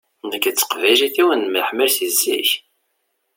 Nekk d teqbaylit-iw nemyeḥmmal seg zik.